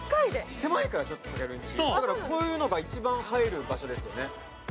狭いからちょっとたけるんちだからこういうのが一番入る場所ですよね